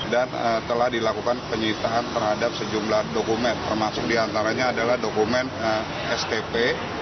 dan telah dilakukan penyelidikan terhadap sejumlah dokumen termasuk diantaranya adalah dokumen stp